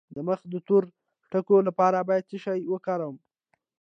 د مخ د تور ټکو لپاره باید څه شی وکاروم؟